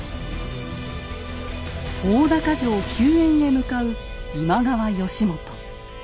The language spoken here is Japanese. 大高城救援へ向かう今川義元。